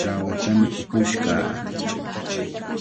Sara lawatami upush kaa.